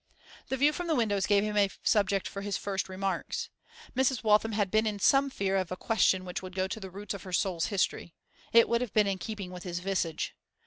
The view from the windows gave him a subject for his first remarks. Mrs. Waltham had been in some fear of a question which would go to the roots of her soul's history; it would have been in keeping with his visage.